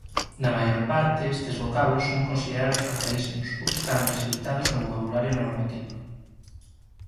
Na maior parte estes vocábulos son considerados arcaísmos ou están rexeitados no vocabulario normativo.